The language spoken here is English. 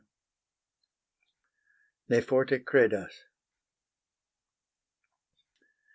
NE FORTE CREDAS.